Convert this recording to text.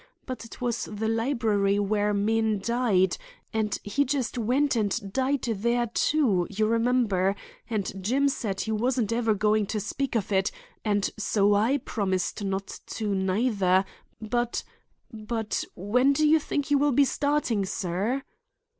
But it was the library where men died, and he just went and died there, too, you remember, and Jim said he wasn't ever going to speak of it, and so I promised not to, neither, but—but—when do you think you will be starting, sir?"